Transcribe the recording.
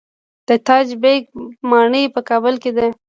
د تاج بیګ ماڼۍ په کابل کې ده